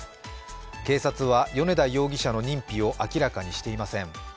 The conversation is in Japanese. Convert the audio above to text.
警察は、米田容疑者の認否を明らかにしていません。